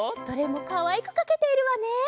どれもかわいくかけているわね！